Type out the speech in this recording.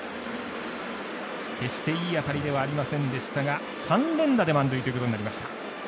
決して、いい当たりではありませんでしたが、３連打で満塁ということになりました。